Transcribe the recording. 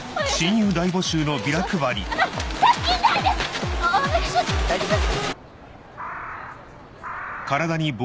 大丈夫です。